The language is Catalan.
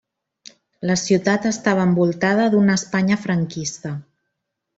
La ciutat estava envoltada d'una Espanya franquista.